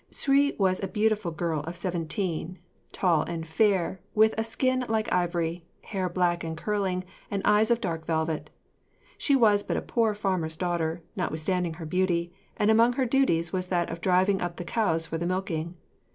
Shuï was a beautiful girl of seventeen, tall and fair, with a skin like ivory, hair black and curling, and eyes of dark velvet. She was but a poor farmer's daughter, notwithstanding her beauty, and among her duties was that of driving up the cows for the milking.